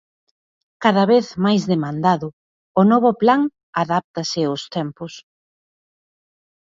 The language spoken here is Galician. Cada vez máis demandado, o novo plan adáptase aos tempos.